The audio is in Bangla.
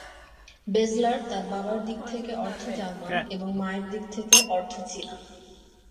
বেজলার তার বাবার দিক থেকে অর্ধ- জার্মান এবং তার মায়ের দিক থেকে অর্ধ- চীনা।